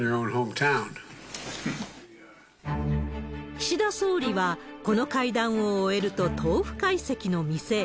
岸田総理は、この会談を終えると豆腐会席の店へ。